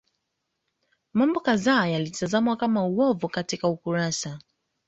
Mambo kadhaa yalitazamwa kama maovu katika ukurasa